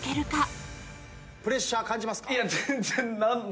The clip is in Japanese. プレッシャー感じますか？